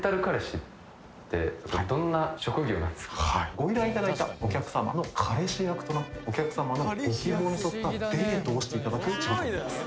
ご依頼いただいたお客様の彼氏役となってお客様のご希望に沿ったデートをしていただく仕事になります